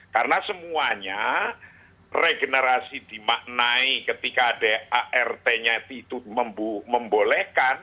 karena semuanya regenerasi dimaknai ketika adart nya itu membolehkan